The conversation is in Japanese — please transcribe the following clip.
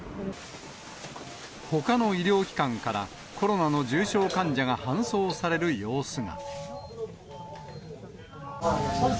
ほかの医療機関からコロナの重症患者が搬送される様子が。